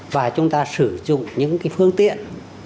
và chúng ta sử dụng những cái phương tiện